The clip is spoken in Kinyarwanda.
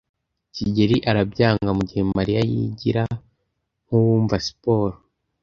kigeli arabyanga mugihe Mariya yigira nkuwumva siporo.